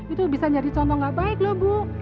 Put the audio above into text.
itu bisa nyari contoh nggak baik loh bu